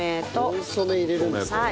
コンソメ入れるんですね。